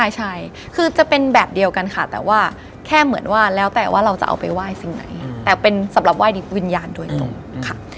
ใช่คือจะเป็นแบบเดียวกันค่ะแต่ว่าแค่เหมือนว่าแล้วแต่ว่าเราจะเอาไปไหว้สิ่งไหนแต่เป็นสำหรับไหว้วิญญาณโดยตรงค่ะ